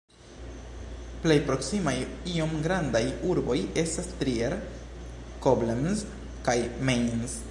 Plej proksimaj iom grandaj urboj estas Trier, Koblenz kaj Mainz.